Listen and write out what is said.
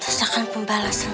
terus akan pembalas sri